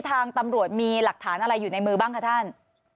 ทางตำรวจมีหลักฐานอะไรอยู่ในมือบ้างคะท่าน